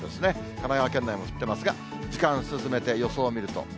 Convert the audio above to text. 神奈川県内も降ってますが、時間進めて、予想を見ると。